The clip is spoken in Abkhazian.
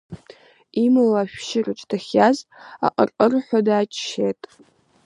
Имала ашәшьыраҿ дахьиаз, аҟырҟырҳәа дааччеит.